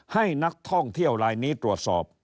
ให้นักท่องเที่ยวลายนี้ตรวจสอบ